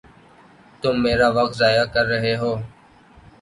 تم میرا وقت ضائع کر رہے ہو